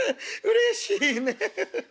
うれしいねえ。